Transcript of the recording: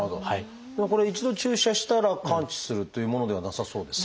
これ一度注射したら完治するというものではなさそうですね。